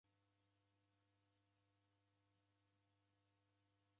Odelaghaya huw'u niko waw'oneka